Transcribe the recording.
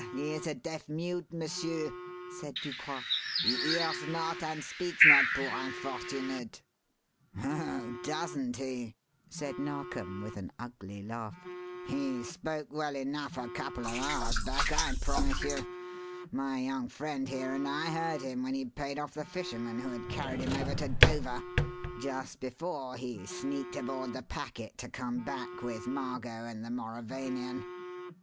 he is a deaf mute, m'sieur," said Ducroix. "He hears not and speaks not, poor unfortunate." "Oh, doesn't he?" said Narkom with an ugly laugh. "He spoke well enough a couple of hours back, I promise you. My young friend here and I heard him when he paid off the fisherman who had carried him over to Dover just before he sneaked aboard the packet to come back with Margot and the Mauravanian."